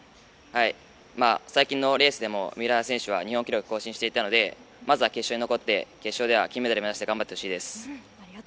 最近のレースでも三浦選手は記録更新していたのでまずは決勝に残って決勝では金メダル目指して頑張ってほしいです。